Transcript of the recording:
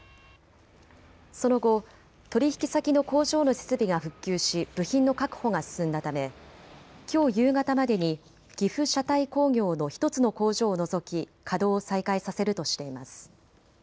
その後、取引先の工場の設備が復旧し部品の確保が進んだためきょう夕方までに岐阜車体工業の１つの工場を除き稼働を再開させるとしています。